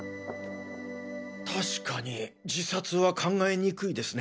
確かに自殺は考えにくいですね。